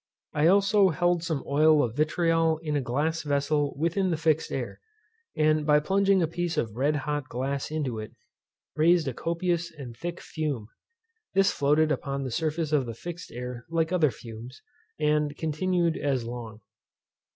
I also held some oil of vitriol in a glass vessel within the fixed air, and by plunging a piece of red hot glass into it, raised a copious and thick fume. This floated upon the surface of the fixed air like other fumes, and continued as long.